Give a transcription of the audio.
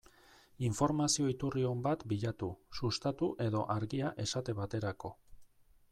Informazio iturri on bat bilatu, Sustatu edo Argia esate baterako.